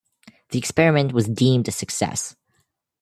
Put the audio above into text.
The experiment was deemed a success.